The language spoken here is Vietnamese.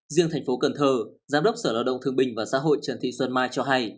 riêng thành phố cần thơ giám đốc sở lao động thương bình và xã hội trần thị xuân mai cho hay